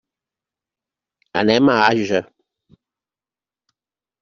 Anem a Àger.